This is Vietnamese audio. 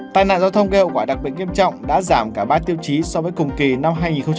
tai nạn giao thông gây hậu quả đặc biệt nghiêm trọng đã giảm cả ba tiêu chí so với cùng kỳ năm hai nghìn một mươi chín